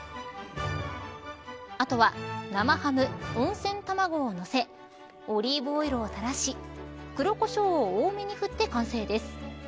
あとは生ハム、温泉卵をのせオリーブオイルをたらし黒こしょうを多めに振って完成です。